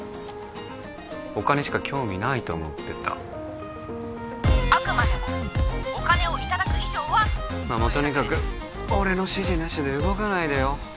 お金しか興味ないと思ってた☎あくまでもお金をいただく以上はまあもうとにかく俺の指示なしで動かないでよ